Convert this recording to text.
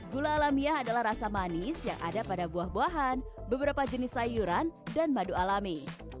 gula alamiah adalah rasa manis yang ada pada buah buahan beberapa jenis sayuran dan madu alami